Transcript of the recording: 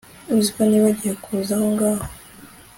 uziko nibagiwe kuza ahongaho